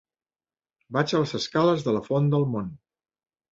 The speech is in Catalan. Vaig a les escales de la Font del Mont.